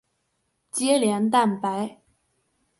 连接蛋白。